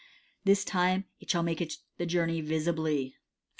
This time it shall make the journey visibly."